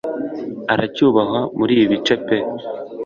aracyubahwa muri ibi bice pe